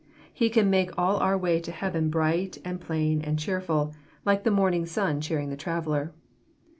He can make all our way to heaven bright and plain and cheerful, like the morning sun cheering the traveller.